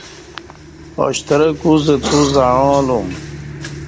ا شترک اوزہ توزعݩالوم